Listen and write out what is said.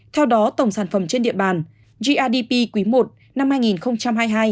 theo đó tổng sản phẩm trên địa bàn grdp quý i năm hai nghìn hai mươi hai